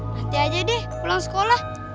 nanti aja deh pulang sekolah